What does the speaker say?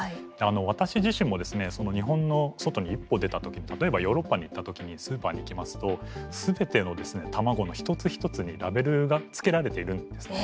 私自身もですね日本の外に一歩出た時例えばヨーロッパに行った時にスーパーに行きますと全ての卵の一つ一つにラベルがつけられているんですね。